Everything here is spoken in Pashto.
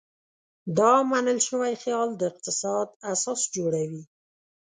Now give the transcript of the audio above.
دا منل شوی خیال د اقتصاد اساس جوړوي.